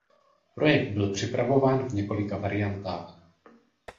Projekt byl připravován v několika variantách.